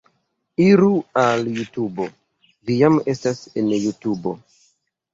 Iru al Jutubo... vi jam estas en Jutubo